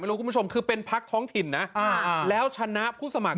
ไม่รู้คุณผู้ชมคือเป็นพ๊ากท้องถิ่นนะอ่าอ่าแล้วชนะผู้สมัคร